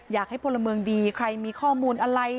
อยากให้พลเมืองดีใครมีข้อมูลอะไร